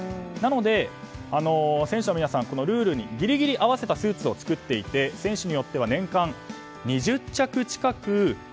なので、選手の皆さんはルールにギリギリ合わせたスーツを作っていて選手によっては年間、２０着近く。